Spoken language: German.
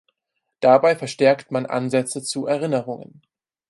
Dabei verstärkt man Ansätze zu Erinnerungen.